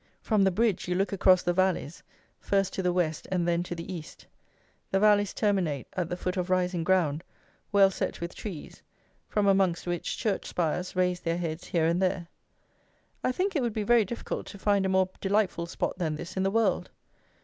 From the bridge you look across the valleys, first to the West and then to the East; the valleys terminate at the foot of rising ground, well set with trees, from amongst which church spires raise their heads here and there. I think it would be very difficult to find a more delightful spot than this in the world.